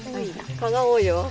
蚊が多いよ。